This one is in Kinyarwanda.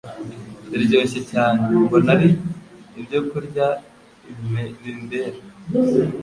ziryoshye cyane. Mbona ari ibyokurya bimbera